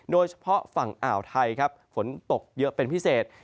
โดยเฉพาะฝั่งอ่าวไทยครับฝนตกเยอะเป็นพิเศษ